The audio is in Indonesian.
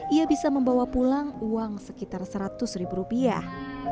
ia bisa membawa pulang uang sekitar seratus ribu rupiah